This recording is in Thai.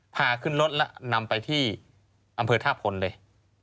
พาขึ้นรถแล้วนำไปที่อำเภอท่าพลเลย